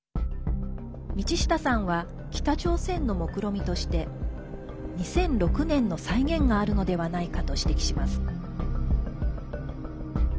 道下さんは北朝鮮のもくろみとして２００６年の再現があるのではないかと指摘します。